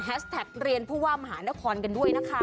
แท็กเรียนผู้ว่ามหานครกันด้วยนะคะ